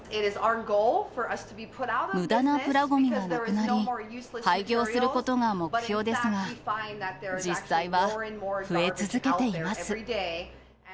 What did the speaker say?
むだなプラごみがなくなり、廃業することが目標ですが、実際は増え続けています。